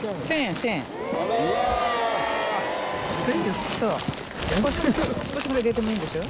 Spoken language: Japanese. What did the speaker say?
１０００円ですか？